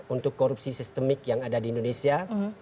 untuk korupsi sistemik yang ada di indonesia